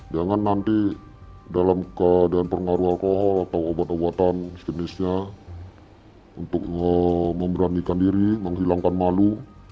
jangan nanti dalam keadaan pengaruh alkohol atau obat obatan sejenisnya untuk memberanikan diri menghilangkan malu